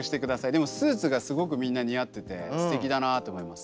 でもスーツがすごくみんな似合っててすてきだなと思います。